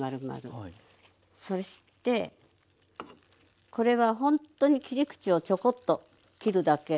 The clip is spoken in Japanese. そしてこれはほんとに切り口をちょこっと切るだけ。